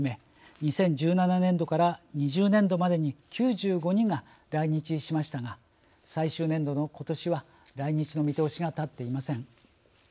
２０１７年度から２０年度までに９５人が来日しましたが最終年度のことしは来日の見通しが立っていません。